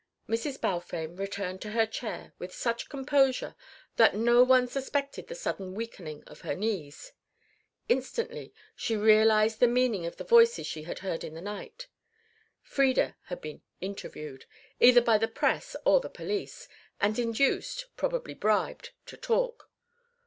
Mrs. Balfame returned to her chair with such composure that no one suspected the sudden weakening of her knees. Instantly she realised the meaning of the voices she had heard in the night. Frieda had been "interviewed," either by the press or the police, and induced, probably bribed, to talk.